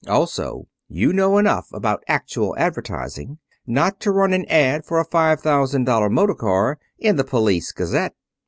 Also, you know enough about actual advertising not to run an ad for a five thousand dollar motor car in the "Police Gazette."